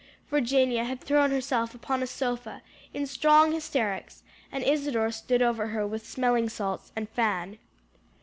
Virginia had thrown herself upon a sofa, in strong hysterics, and Isadore stood over her with smelling salts and fan.